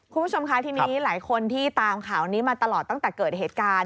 คุณผู้ชมคะทีนี้หลายคนที่ตามข่าวนี้มาตลอดตั้งแต่เกิดเหตุการณ์